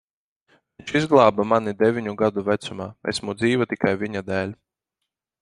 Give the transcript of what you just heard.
Viņš izglāba mani deviņu gadu vecumā. Esmu dzīva tikai viņa dēļ.